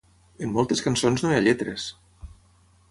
En moltes cançons no hi ha lletres!